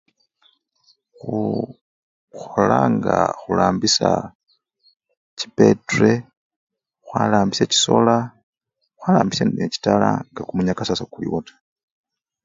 Khu! khulanga! khurambidya chibetule, khwarambisya chisoola, khwarambisya ne chitala nga kumunyakasa sekuliwo taa.